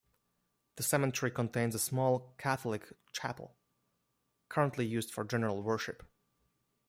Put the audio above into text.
The cemetery contains a small Catholic chapel, currently used for general worship.